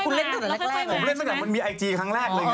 คุณเล่นกันก่อนแรกเลย